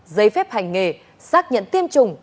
giấy phép hành nghề xác nhận tiêm chủng